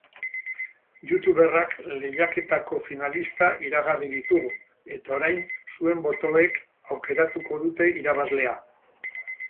Youtuberrak lehiaketako finalistak iragarri ditugu, eta orain zuen botoek aukeratuko dute irabazlea.